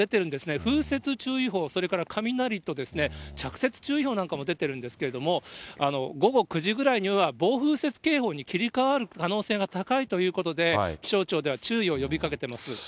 風雪注意報、それから雷と着雪注意報なんかも出てるんですけれども、午後９時ぐらいには暴風雪警報に切り替わる可能性が高いということで、気象庁では注意を呼びかけてます。